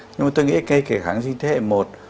nhưng mà tôi nghĩ cái kháng sinh thế hệ một